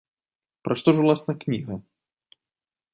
Пра што ж уласна кніга?